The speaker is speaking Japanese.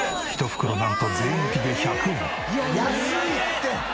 １袋なんと税抜きで１００円。